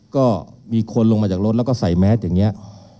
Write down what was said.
ก็มีคนลงมาจากรถแล้วก็ใส่แมสอย่างนี้